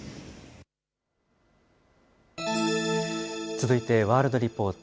続いてワールドリポート。